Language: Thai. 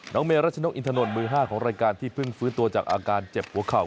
เมรัชนกอินทนนท์มือ๕ของรายการที่เพิ่งฟื้นตัวจากอาการเจ็บหัวเข่า